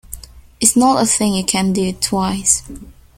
It's not a thing you can do twice.